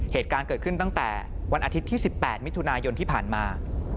เหตุการณ์เกิดขึ้นตั้งแต่วันอาทิตย์ที่๑๘มิถุนายนที่ผ่านมา